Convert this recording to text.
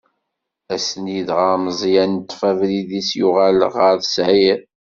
Ass-nni dɣa, Meẓyan yeṭṭef abrid-is, yuɣal ɣer Siɛir.